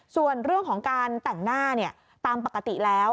ส่วนเรื่องของการแต่งหน้าตามปกติแล้ว